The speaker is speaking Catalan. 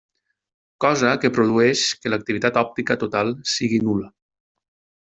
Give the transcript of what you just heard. Cosa que produeix que l'activitat òptica total sigui nul·la.